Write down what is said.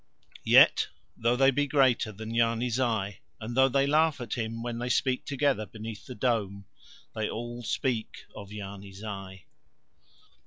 Yet though they be greater than Yarni Zai, and though they laugh at him when they speak together beneath the Dome, they all speak of Yarni Zai.